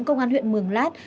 công an huyện mường lát